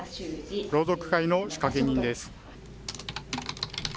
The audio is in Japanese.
朗読会の仕掛け人です。